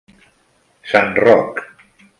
Sant Roc.